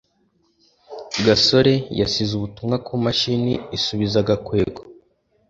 gasore yasize ubutumwa kumashini isubiza gakwego